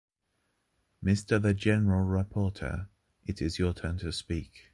Mr. the General Rapporteur, it is your turn to speak.